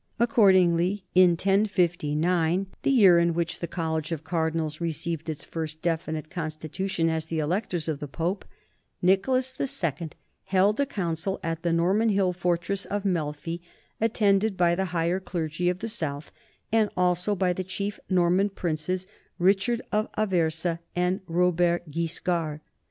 Accordingly in 1059, the year in which 204 NORMANS IN EUROPEAN HISTORY the college of cardinals received its first definite constitu tion as the electors of the Pope, Nicholas II held a coun cil at the Norman hill fortress of Melfi, attended by the higher clergy of the south and also by the two chief Norman princes, Richard of Aversa and Robert Guis card.